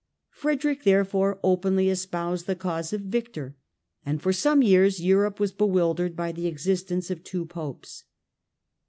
Frederick therefore actively espoused the cause of Victor, and for some years Europe was bewildered by the existence of two Popes.